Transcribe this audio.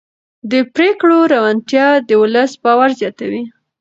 د پرېکړو روڼتیا د ولس باور زیاتوي